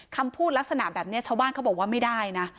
คำพูดลักษณะแบบนี้ชาวบ้านเขาบอกว่าไม่ได้นะ